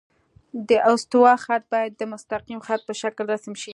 د استوا خط باید د مستقیم خط په شکل رسم شي